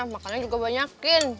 makannya juga banyakin